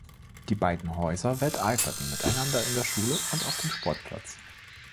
Die beiden Häuser wetteiferten miteinander in der Schule und auf dem Sportplatz.